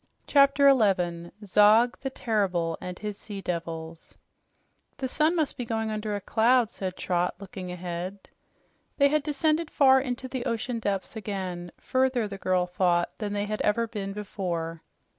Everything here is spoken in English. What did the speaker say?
CHAPTER 11 ZOG THE TERRIBLE AND HIS SEA DEVILS "The sun must be going under a cloud," said Trot, looking ahead. They had descended far into the ocean depths again further, the girl thought, than they had ever been before.